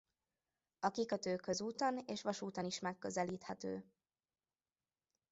A kikötő közúton és vasúton is megközelíthető.